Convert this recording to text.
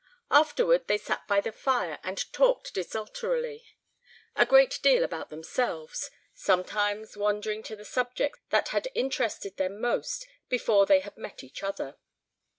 Afterward they sat by the fire and talked desultorily: a great deal about themselves; sometimes wandering to the subjects that had interested them most before they had met each other.